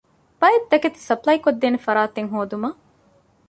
ބައެއް ތަކެތި ސަޕްލައި ކޮށްދޭނެ ފަރާތެއް ހޯދުމަށް